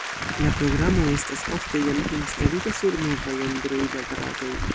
La programo estas ofte jam instalita sur novaj Android-aparatoj.